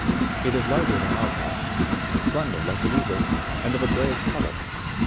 It is larger than our cats, slender like the weasel, and of a grayish colour.